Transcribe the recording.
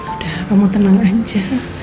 udah kamu tenang aja